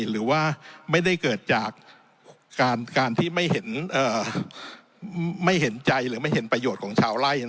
หรือว่าไม่ได้เกิดจากการที่ไม่เห็นใจหรือไม่เห็นประโยชน์ของชาวไล่